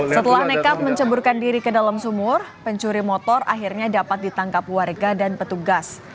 setelah nekat menceburkan diri ke dalam sumur pencuri motor akhirnya dapat ditangkap warga dan petugas